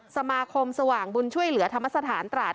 สมาคมสว่างบุญช่วยเหลือธรรมสถานตราด